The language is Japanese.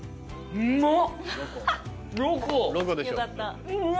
うまっ！